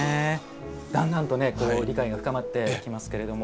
だんだんとね理解が深まってきますけれども。